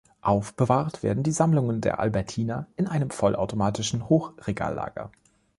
Aufbewahrt werden die Sammlungen der Albertina in einem vollautomatischen Hochregallager.